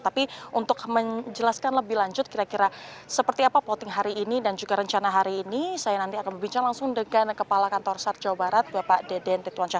tapi untuk menjelaskan lebih lanjut kira kira seperti apa plotting hari ini dan juga rencana hari ini saya nanti akan berbincang langsung dengan kepala kantor sar jawa barat bapak deden rituansya